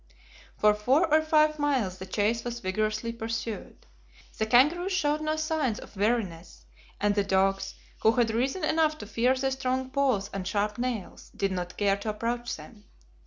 For four or five miles the chase was vigorously pursued. The kangaroos showed no signs of weariness, and the dogs, who had reason enough to fear their strong paws and sharp nails, did not care to approach them.